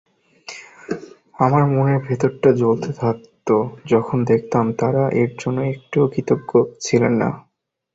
আমার মনের ভিতরটা জ্বলতে থাকত যখন দেখতুম তাঁরা এর জন্যে একটুও কৃতজ্ঞ ছিলেন না।